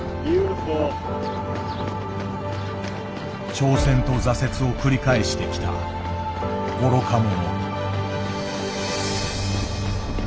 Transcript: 挑戦と挫折を繰り返してきた「愚か者」。